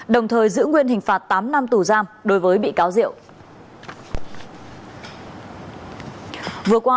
đồng thời giữ nguyên hình phạt tám năm tù giam đối với bị cáo diệu